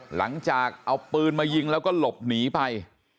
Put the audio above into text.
หลังจากเอาปืนมายิงแล้วก็หลบหนีไป